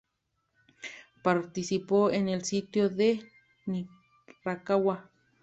Participó en el sitio de Rancagua.